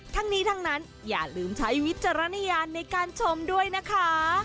ทั้งนี้ทั้งนั้นอย่าลืมใช้วิจารณญาณในการชมด้วยนะคะ